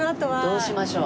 どうしましょう？